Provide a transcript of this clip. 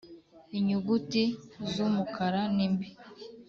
inyuguti zumukara ni mbi